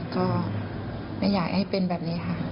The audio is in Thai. ก็อย่าให้เป็นแบบนี้ค่ะ